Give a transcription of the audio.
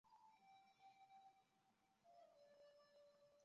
李普出生于湖南湘乡。